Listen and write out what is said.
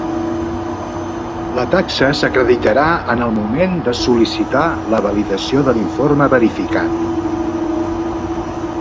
La taxa s'acreditarà en el moment de sol·licitar la validació de l'informe verificat.